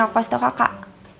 aku kasih tau kakak